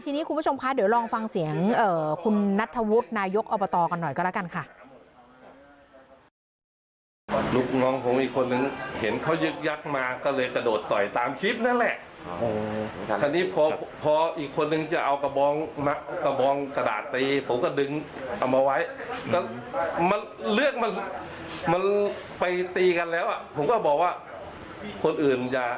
ทีนี้คุณผู้ชมคะเดี๋ยวลองฟังเสียงคุณนัทธวุฒินายกอบตกันหน่อยก็แล้วกันค่ะ